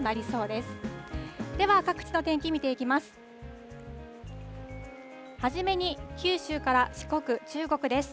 では、各地の天気、見ていきます。